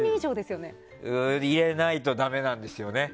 入れないとだめなんですよね。